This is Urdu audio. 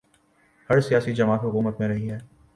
ہر سیاسی جماعت حکومت میں رہی ہے۔